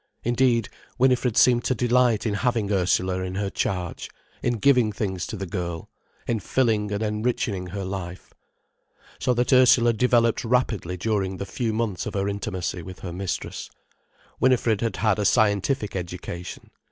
Indeed, Winifred seemed to delight in having Ursula in her charge, in giving things to the girl, in filling and enrichening her life. So that Ursula developed rapidly during the few months of her intimacy with her mistress. Winifred had had a scientific education.